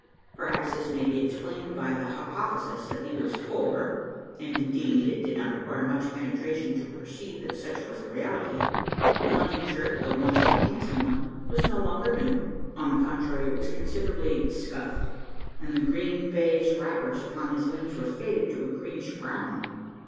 Perhaps this may be explained by the hypothesis that he was poor, and, indeed, it did not require much penetration to perceive that such was the reality. The hunting shirt, though once a handsome one, was no longer new. On the contrary, it was considerably "scuffed;" and the green baize wrappers upon his limbs were faded to a greenish brown.